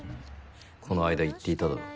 この間言っていただろう。